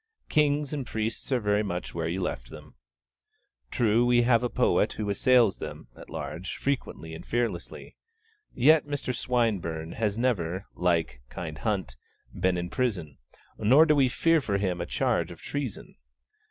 Kings and priests are very much where you left them. True, we have a poet who assails them, at large, frequently and fearlessly; yet Mr. Swinburne has never, like 'kind Hunt,' been in prison, nor do we fear for him a charge of treason.